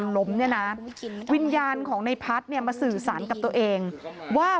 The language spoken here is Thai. ล้มเนี่ยนะวิญญาณของในพัฒน์เนี่ยมาสื่อสารกับตัวเองว่า